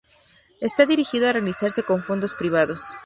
Esta dirigido a realizarse con fondos privados.